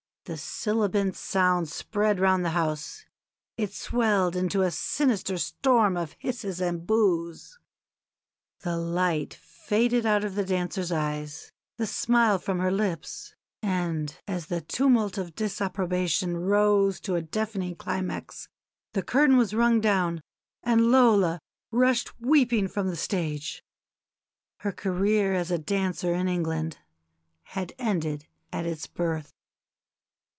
The sibilant sound spread round the house; it swelled into a sinister storm of hisses and boos. The light faded out of the dancer's eyes, the smile from her lips; and as the tumult of disapprobation rose to a deafening climax the curtain was rung down, and Lola rushed weeping from the stage. Her career as a dancer, in England, had ended at its birth.